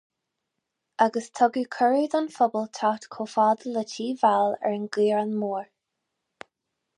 Agus tugadh cuireadh don phobal teacht chomh fada le tigh Vail ar an gCaorán Mór.